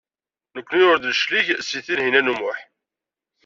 Nekkni ur d-neclig seg Tinhinan u Muḥ.